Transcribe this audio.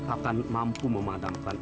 akan mampu memadamkan